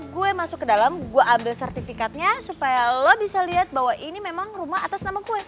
gue masuk ke dalam gua ambil sertifikatnya supaya lo bisa lihat bahwa ini memang rumah atas nama kue